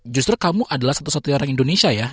justru kamu adalah satu satunya orang indonesia ya